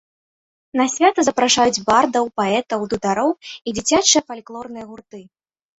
На свята запрашаюць бардаў, паэтаў, дудароў і дзіцячыя фальклорныя гурты.